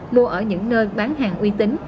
mua ở những nơi bán hàng uy tín